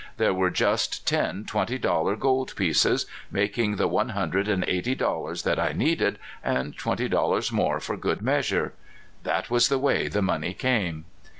There were just ten twenty dollar gold pieces, making the one hundred and eighty dollars that I needed, and twenty dollars more for good measure. That was the way the money came.